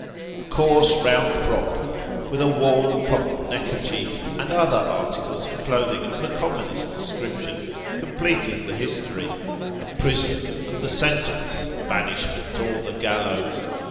A coarse round frock, with a worn cotton neckerchief, and other articles of clothing of the commonest description, completed the history. A prison, and the sentence banishment or the gallows.